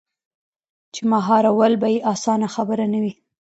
چـې مـهار ول بـه يـې اسـانه خبـره نـه وي.